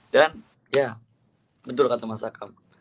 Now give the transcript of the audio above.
dan ya betul kata mas akan